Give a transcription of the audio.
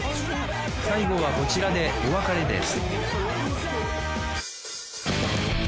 最後はこちらでお別れです